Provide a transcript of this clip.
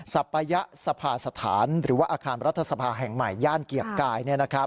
สัปยสภาสถานหรือว่าอาคารรัฐสภาแห่งใหม่ย่านเกียรติกาย